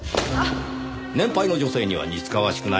年配の女性には似つかわしくない